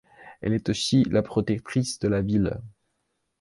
Elle est aussi la protectrice de la ville.